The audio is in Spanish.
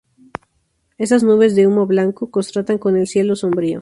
Esas nubes de humo blanco contrastan con el cielo sombrío.